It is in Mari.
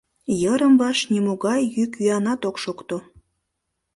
Йырым-ваш нимогай йӱк-йӱанат ок шокто.